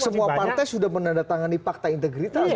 semua partai sudah menandatangani fakta integritas